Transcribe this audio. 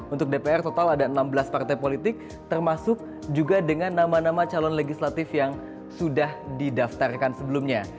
untuk dpr total ada enam belas partai politik termasuk juga dengan nama nama calon legislatif yang sudah didaftarkan sebelumnya